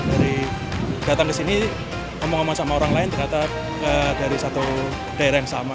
dari datang ke sini ngomong ngomong sama orang lain ternyata dari satu daerah yang sama